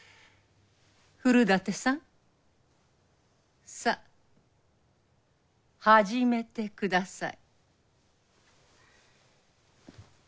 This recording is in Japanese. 古館さんさぁ始めてください。